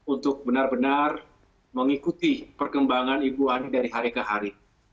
untuk benar benar mengikuti perkembangan ibu ani dari hari ke hari